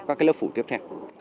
các lớp phủ tiếp theo